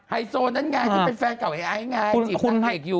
ไฮโซลนั้นไงที่เป็นแฟนเก่าไอ้ไงจีบสังเกตอยู่